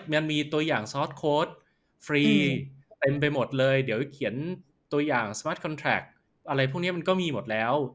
มันมีตัวอย่างฟรีเต็มไปหมดเลยเดี๋ยวเขียนตัวอย่างอะไรพวกเนี้ยมันก็มีหมดแล้ว